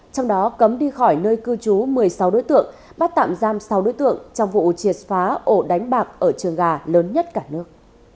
trong đó cấm đi khỏi nơi cư trú một mươi sáu đối tượng bắt tạm giam sáu đối tượng trong vụ triệt phá ổ đánh bạc ở trường gà lớn nhất cả nước